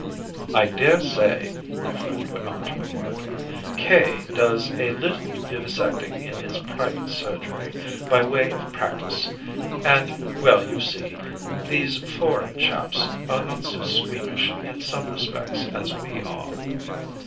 "'I dare say,' my friend went on to remark, 'K does a little vivisecting in his private surgery, by way of practice, and well, you see, these foreign chaps are not so squeamish in some respects as we are.'